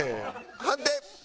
判定！